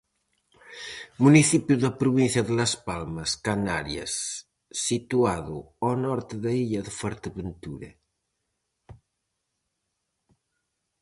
Municipio da provincia de Las Palmas, Canarias, situado ao norte da illa de Fuerteventura.